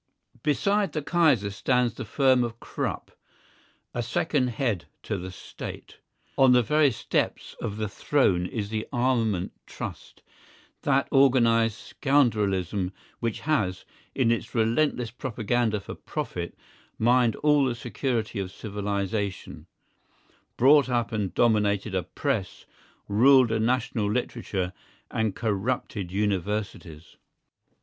Beside the Kaiser stands the firm of Krupp, a second head to the State; on the very steps of the throne is the armament trust, that organised scoundrelism which has, in its relentless propaganda for profit, mined all the security of civilisation, brought up and dominated a Press, ruled a national literature, and corrupted universities.